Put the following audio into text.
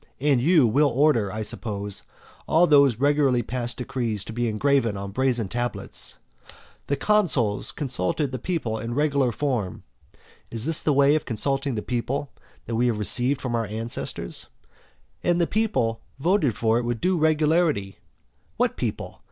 And you will order, I suppose, all those regularly passed decrees to be engraved on brazen tablets "The consuls consulted the people in regular form," (Is this the way of consulting the people that we have received from our ancestors?) "and the people voted it with due regularity" What people?